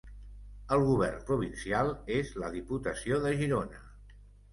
El govern provincial és la Diputació de Girona.